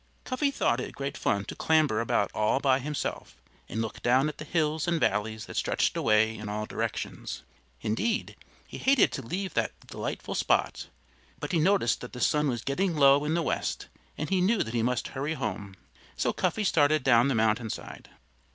Cuffy thought it great fun to clamber about all by himself and look down at the hills and valleys that stretched away in all directions. Indeed, he hated to leave that delightful spot. But he noticed that the sun was getting low in the west and he knew that he must hurry home. So Cuffy started down the mountainside.